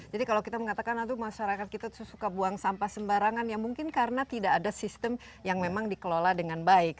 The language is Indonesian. jadi kalau kita mengatakan masyarakat kita suka buang sampah sembarangan ya mungkin karena tidak ada sistem yang memang dikelola dengan baik